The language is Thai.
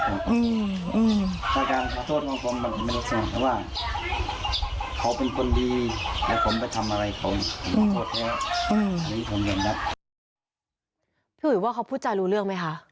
พี่อุ๋ยว่าเขาพูดจารู้เรื่องไหมคะ